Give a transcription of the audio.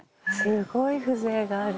すごい風情がある。